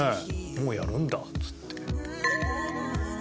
「もうやるんだ」っつって。